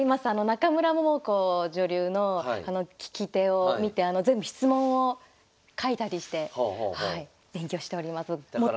中村桃子女流の聞き手を見て全部質問を書いたりしてはい勉強しております。